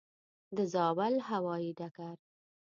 د زاول هوايي ډګر